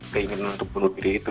keinginan untuk bunuh diri itu